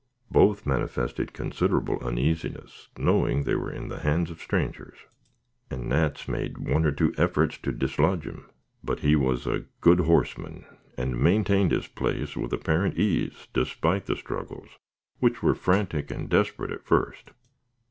Both manifested considerable uneasiness, knowing they were in the hands of strangers, and Nat's made one or two efforts to dislodge him; but he was a good horseman, and maintained his place with apparent ease despite the struggles, which were frantic and desperate at first.